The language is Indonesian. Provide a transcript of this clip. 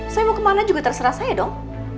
saya mau kemana juga terserah saya dong